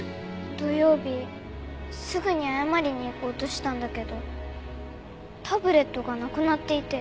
土曜日すぐに謝りに行こうとしたんだけどタブレットがなくなっていて。